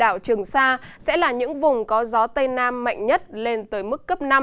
đảo trường sa sẽ là những vùng có gió tây nam mạnh nhất lên tới mức cấp năm